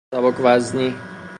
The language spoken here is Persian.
سبک وزنی